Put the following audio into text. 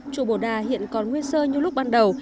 chùa bổ đà hiện còn nguyên sơ như lúc ban đầu